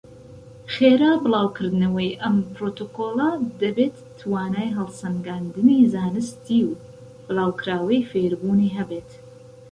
خێرا بڵاوکردنەوەی ئەم پڕۆتۆکۆڵە دەبێت توانای هەڵسەنگاندنی زانستی و بڵاوکراوەی فێربوونی هەبێت.